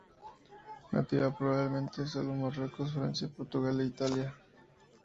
Nativa probablemente solo en Marruecos, Francia, Portugal e Italia.